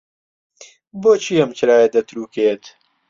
بۆچی ئەم چرایە دەترووکێت؟